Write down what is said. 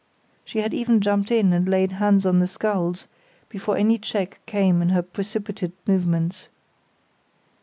She had even jumped in and laid hands on the sculls before any check came in her precipitate movements.